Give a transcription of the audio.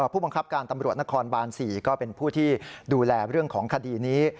ผู้บังคับการตำรวจนครบาน๔ก็เป็นผู้ที่ดูแลเรื่องของคดีนี้